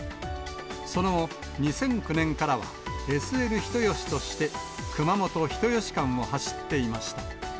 その後、２００９年からはＳＬ人吉として、熊本・人吉間を走っていました。